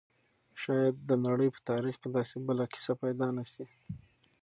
شاید د نړۍ په تاریخ کې داسې بله کیسه پیدا نه شي.